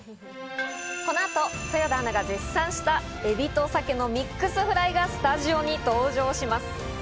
この後、豊田アナが絶賛したエビとサケのミックスフライがスタジオに登場します。